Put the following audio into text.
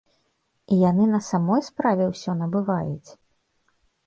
І яны на самой справе ўсё набываюць!